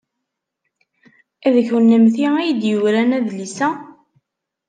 D kennemti ay d-yuran adlis-a?